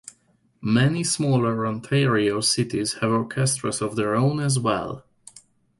Many smaller Ontario cities have orchestras of their own as well.